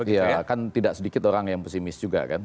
iya kan tidak sedikit orang yang pesimis juga kan